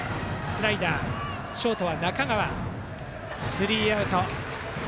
スリーアウト。